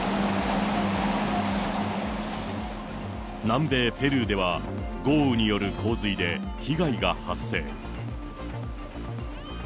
南米ペルーでは豪雨による洪水で、被害が発生。